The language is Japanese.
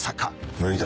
無理だ。